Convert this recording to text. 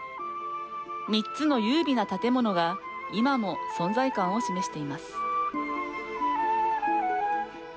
３つの優美な建物が今も存在感を示しています。